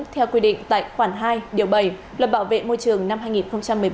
theo quy định tại khoản hai điều bảy luật bảo vệ môi trường năm hai nghìn một mươi bốn